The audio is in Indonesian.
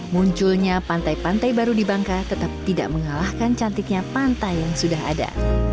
munculnya pantai pantai baru di bangka tetap tidak mengalahkan cantiknya pantai yang sudah ada